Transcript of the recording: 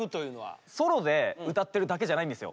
ソロで歌ってるだけじゃないんですよ。